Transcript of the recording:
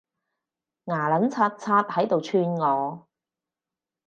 牙撚擦擦喺度串我